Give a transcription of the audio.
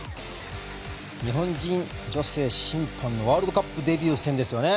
日本人女性審判のワールドカップデビュー戦ですよね。